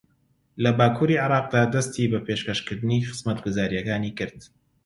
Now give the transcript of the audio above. لە باکووری عێراقدا دەستی بە پێشەکەشکردنی خزمەتگوزارییەکانی کرد